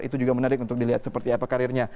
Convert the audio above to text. itu juga menarik untuk dilihat seperti apa karirnya